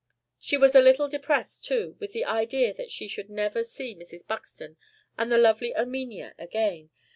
She was a little depressed, too, with the idea that she should never see Mrs. Buxton and the lovely Erminia again.